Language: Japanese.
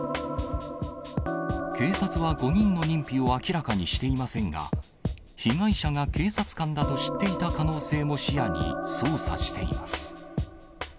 警察は５人の認否を明らかにしていませんが、被害者が警察官だと知っていた可能性も視野に捜査しています。